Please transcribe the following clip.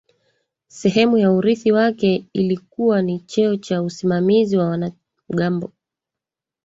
Sehemu ya urithi wake ilikuwa ni cheo cha usimamizi wa wanamgambo